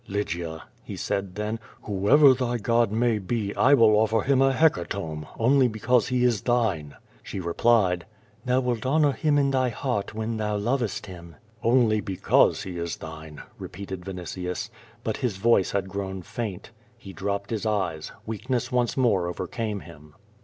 "Lygia," he said then, "whoever thy God may be I will offer him a hecatomb, only because he is thine." 1^8 QUO VADI8. She replied, "Thou wilt honor him in thy heart when thou lovest him." "Only because he is thine," repeated Vinitius. But his voice had grown faint. He dropped his eyes. Weakness once more overcame him.